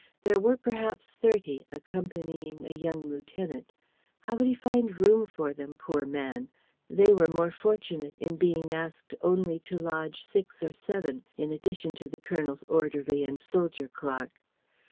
There were perhaps thirty, accompanying a young lieutenant. How would he find room for them, poor man? They were more fortunate in being asked only to lodge six or seven in addition to the Colonel's orderly and soldier clerk.